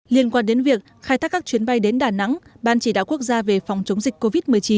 liên quan đến việc khai thác các chuyến bay đến đà nẵng ban chỉ đạo quốc gia về phòng chống dịch covid một mươi chín